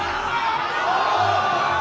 お！